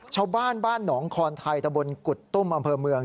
ชาวบ้านบ้านหนองคอนไทยตะบนกุดตุ้มอำเภอเมือง